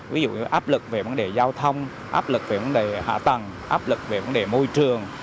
ví dụ như áp lực về vấn đề giao thông áp lực về vấn đề hạ tầng áp lực về vấn đề môi trường